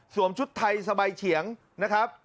ชุดไทยสบายเฉียงนะครับ